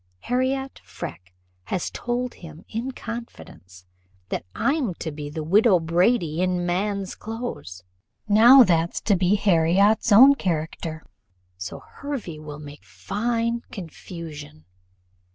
Harriot Freke has told him, in confidence, that I'm to be the widow Brady, in man's clothes: now that's to be Harriot's own character; so Hervey will make fine confusion."